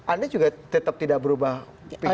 anda juga tetap tidak berubah pikiran